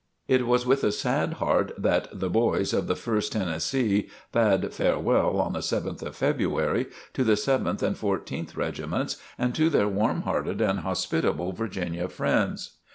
It was with a sad heart that "the boys" of the First Tennessee bade farewell, on the 7th of February, to the Seventh and Fourteenth Regiments and to their warm hearted and hospitable Virginia friends.